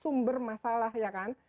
sumber masalah ya kan